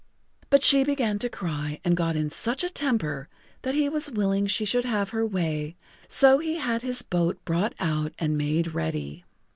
But she began to cry and got in such a temper that he was willing she should have her way, so he had his boat brought out and made ready.